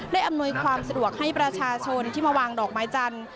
อำนวยความสะดวกให้ประชาชนที่มาวางดอกไม้จันทร์